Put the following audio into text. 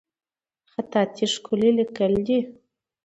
خطاطي ښکلی لیکل دي